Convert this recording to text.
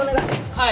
はい。